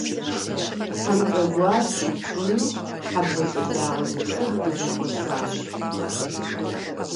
Хьэнцэгуащэ тщӏыну хьэблэ щӏалэгъуалэ зытхух дызэхуэсащ.